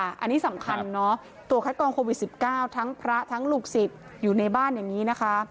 อันนี้สำคัญเนอะตัวคัดกรองโควิด๑๙ทั้งพระทั้งลูกศิษย์อยู่ในบ้านอย่างนี้นะคะ